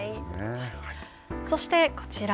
そして、こちら。